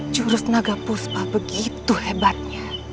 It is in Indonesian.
jurus naga puspa begitu hebatnya